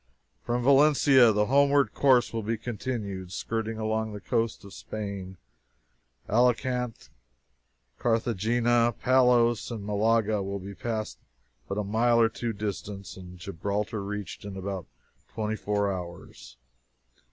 From Valencia, the homeward course will be continued, skirting along the coast of Spain. Alicant, Carthagena, Palos, and Malaga will be passed but a mile or two distant, and Gibraltar reached in about twenty four hours.